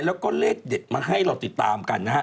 แล้วก็เลขเด็ดมาให้เราติดตามกันนะฮะ